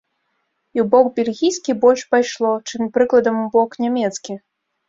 І ў бок бельгійскі больш пайшло, чым, прыкладам, у бок нямецкі.